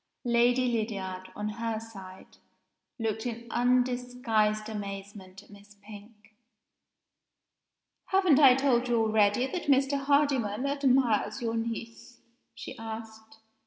Lady Lydiard, on her side, looked in undisguised amazement at Miss Pink. "Haven't I told you already that Mr. Hardyman admires your niece?" she asked.